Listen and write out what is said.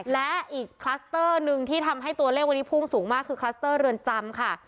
และอีกคลัสเตอร์หนึ่งที่ทำให้ตัวเลขวันนี้พุ่งสูงมากคือคลัสเตอร์เรือนจำค่ะ